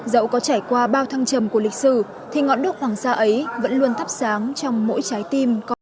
dẫu có trải qua bao thăng trầm của lịch sử thì ngọn đuốc hoàng sa ấy vẫn luôn thắp sáng trong mỗi trái tim